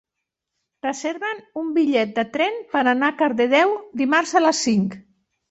Reserva'm un bitllet de tren per anar a Cardedeu dimarts a les cinc.